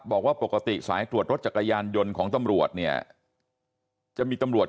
บอกว่าปกติสายตรวจรถจักรยานยนต์ของตำรวจเนี่ยจะมีตำรวจ